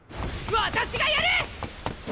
私がやる！！